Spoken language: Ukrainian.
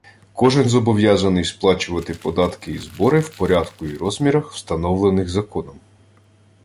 Кожен зобов'язаний сплачувати податки і збори в порядку і розмірах, встановлених законом